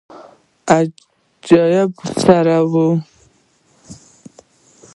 عجب سړى و.